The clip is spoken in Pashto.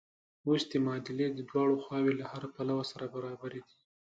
اوس د معادلې دواړه خواوې له هره پلوه سره برابرې دي.